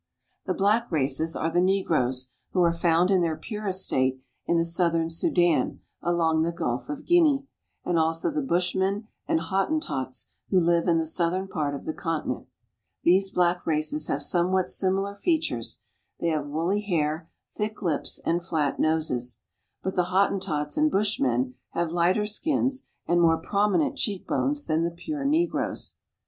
The black races are the negroes, who are found in their purest state in the southern Sudan along the Gulf of Guinea (gin'e), and also the who live in the southern part of the continent. These black races have somewhat similar fea tures ; they have woolly hair, thick lips, and flat noses ; but the Hotten tots and Bushmen have lighter skins and more prominent cheekbones lan the pure negroes.